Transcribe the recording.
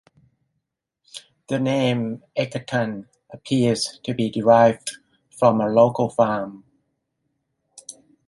The name "Egerton" appears to be derived from a local farm.